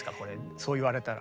そう言われたら。